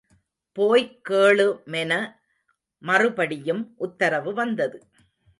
போய்க் கேளு மென மறுபடியும் உத்தரவு வந்தது.